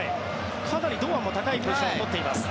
かなり堂安も高いポジション取っています。